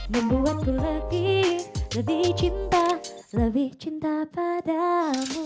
membuatku lebih lebih cinta lebih cinta padamu